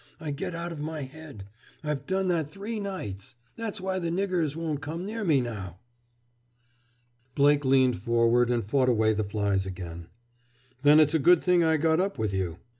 I get out of my head. I've done that three nights. That's why the niggers won't come near me now!" Blake leaned forward and fought away the flies again. "Then it's a good thing I got up with you."